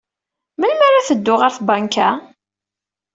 Melmi ara teddu ɣer tbanka?